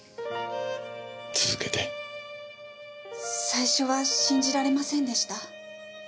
最初は信じられませんでした。